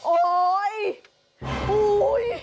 โอ้ยย